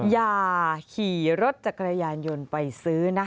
อย่าขี่รถจักรยานยนต์ไปซื้อนะคะ